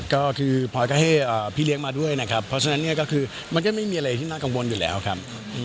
ก็คือพลอยก็ให้พี่เลี้ยงมาด้วยนะครับเพราะฉะนั้นเนี่ยก็คือมันก็ไม่มีอะไรที่น่ากังวลอยู่แล้วครับ